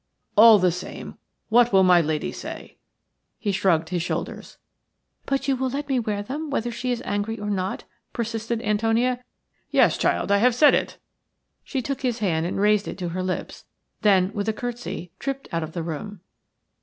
All the same, what will my lady say?" He shrugged his shoulders. "But you will let me wear them whether she is angry or not?" persisted Antonia. "Yes, child, I have said it." She took his hand and raised it to her lips, then, with a curtsy, tripped out of the room.